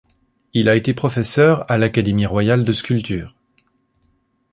Il a été professeur à l’Académie royale de sculpture.